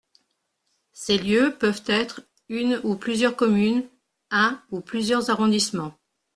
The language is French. Ces lieux peuvent être une ou plusieurs communes, un ou plusieurs arrondissements.